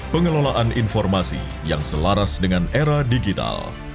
pengelolaan informasi yang selaras dengan era digital